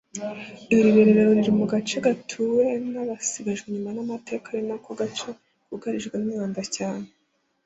Iri rerero riri mu gace gatuwe n’abasigajwe inyuma n’amateka ari nako gace kugarijwe n’umwanda cyane